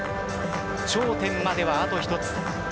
頂点まではあと１つ。